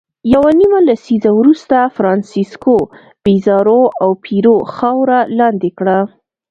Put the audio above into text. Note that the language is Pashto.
یوه نیمه لسیزه وروسته فرانسیسکو پیزارو د پیرو خاوره لاندې کړه.